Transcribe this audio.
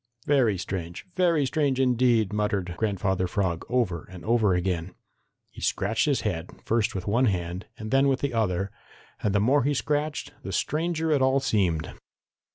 "Very strange, very strange, indeed," muttered Grandfather Frog over and over again. He scratched his head first with one hand and then with the other, and the more he scratched the stranger it all seemed.